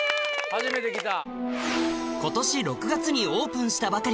初めて来た。